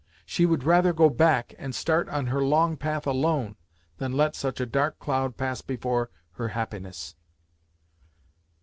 She would rather go back, and start on her long path alone, than let such a dark cloud pass before her happiness."